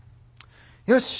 よし！